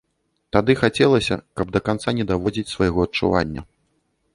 Тады хацелася, каб да канца не даводзіць свайго адчування.